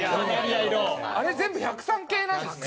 あれ全部１０３系なんですね。